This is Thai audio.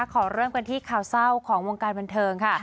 ขอเริ่มกันที่ข่าวเศร้าของวงการบันเทิงค่ะ